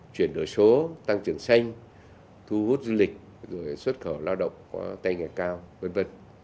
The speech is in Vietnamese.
chuyển đổi số tăng trưởng xanh thu hút du lịch xuất khẩu lao động tay nghề cao v v